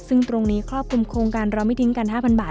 ซึ่งตรงนี้ควบคุมโครงการรอมิตินกาล๕๐๐๐บาท